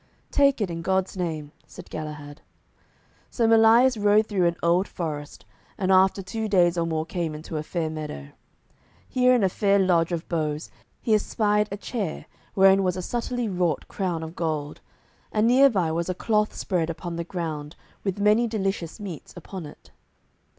"Take it, in God's name," said Galahad. So Melias rode far through an old forest, and after two days or more came into a fair meadow. Here in a fair lodge of boughs he espied a chair wherein was a subtilely wrought crown of gold, and near by was a cloth spread upon the ground with many delicious meats upon it.